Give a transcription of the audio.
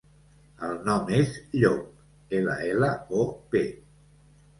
El nom és Llop: ela, ela, o, pe.